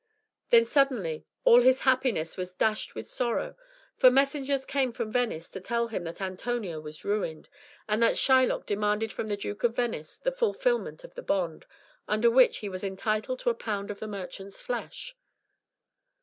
Then suddenly all his happiness was dashed with sorrow, for messengers came from Venice to tell him that Antonio was ruined, and that Shylock demanded from the Duke of Venice the fulfilment of the bond, under which he was entitled to a pound of the merchant's flesh.